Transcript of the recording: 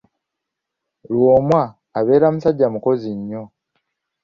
Lwomwa abeera musajja mukozi nnyo.